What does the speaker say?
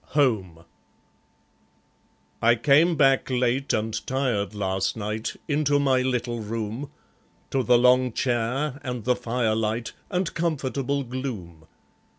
Home I came back late and tired last night Into my little room, To the long chair and the firelight And comfortable gloom.